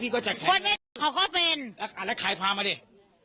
ก็จะเป็นคนเป็นเหรอเขาก็เป็น